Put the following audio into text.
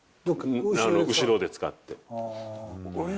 後ろで使って。